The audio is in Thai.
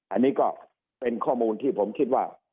อันนี้ก็เป็นข้อมูลที่ผมคิดว่า